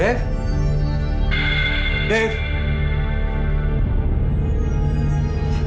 dev kemana lagi sih